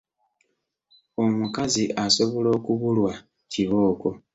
Omukazi asobola okubulwa kibooko.